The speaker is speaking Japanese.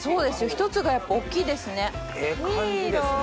１つがやっぱ大っきいですねいい色。